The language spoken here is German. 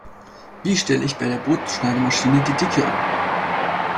Wie stelle ich bei der Brotschneidemaschine die Dicke ein?